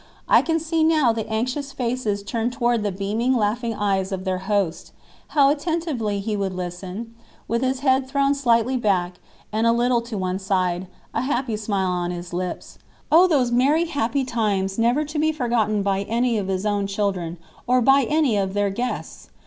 I can see now the anxious faces turned toward the beaming, laughing eyes of their host. How attentively he would listen, with his head thrown slightly back, and a little to one side, a happy smile on his lips. O, those merry, happy times, never to be forgotten by any of his own children, or by any of their guests.